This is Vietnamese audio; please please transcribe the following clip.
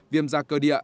viêm da cơ địa